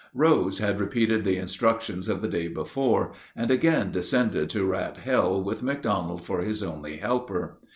Rose had repeated the instructions of the day before, and again descended to Rat Hell with McDonald for his only helper.